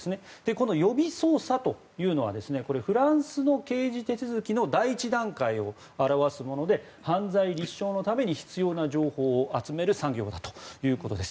この予備捜査というのはフランスの刑事手続きの第１段階を表すもので犯罪立証のために必要な情報を集める作業だということです。